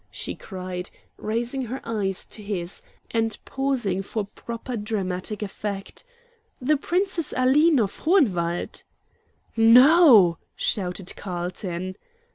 she cried, raising her eyes to his, and pausing for proper dramatic effect. "The Princess Aline of Hohenwald!" "No?" shouted Carlton.